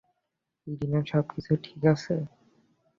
Irina সবকিছু ঠিক আছে?